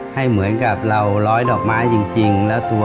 เหมือนกับเราร้อยดอกไม้จริง